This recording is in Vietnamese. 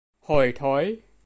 hôi thối